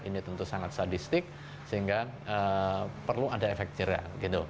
ini tentu sangat sadistik sehingga perlu ada efek jerah gitu